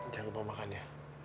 jangan lupa makan ya